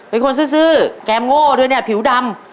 เป็นคนซื้อแก้มโง่ด้วยเนี่ยผิวดำ